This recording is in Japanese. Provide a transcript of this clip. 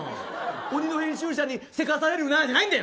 鬼の編集者にせかされるなじゃないんだよ。